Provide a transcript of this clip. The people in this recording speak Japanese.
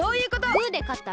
グーでかったら？